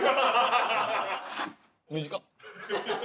短っ！